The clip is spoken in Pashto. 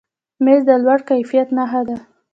مېز د لوړ کیفیت نښه ده.